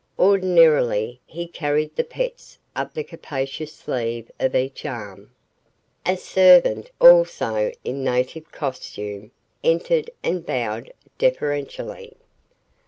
Ordinarily, he carried the pets up the capacious sleeve of each arm. A servant, also in native costume, entered and bowed deferentially.